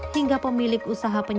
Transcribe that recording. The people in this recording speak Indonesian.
hingga pemilik usaha perusahaan